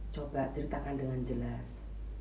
coba ceritakan dengan jelas